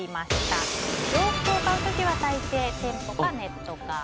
洋服を買うときは大抵店舗かネットか。